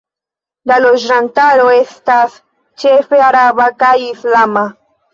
La loĝantaro estas ĉefe araba kaj islama.